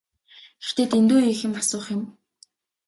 Гэхдээ дэндүү их юм асуух юм.